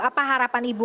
apa harapan ibu